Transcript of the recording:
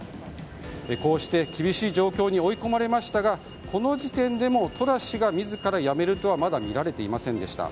こうして厳しい状況に追い込まれましたがこの時点でもトラス氏が自ら辞めるとはまだみられていませんでした。